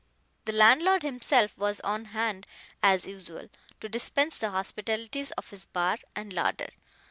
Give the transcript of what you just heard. The landlord himself was on hand as usual, to dispense the hospitalities of his bar and larder.